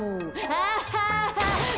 アハハ。